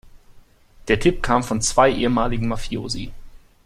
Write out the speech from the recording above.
Der Tipp kam von zwei ehemaligen Mafiosi.